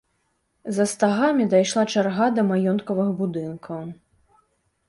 За стагамі дайшла чарга да маёнткавых будынкаў.